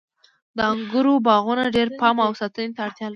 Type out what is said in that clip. د انګورو باغونه ډیر پام او ساتنې ته اړتیا لري.